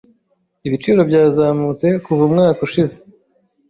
Ibiciro byazamutse kuva umwaka ushize.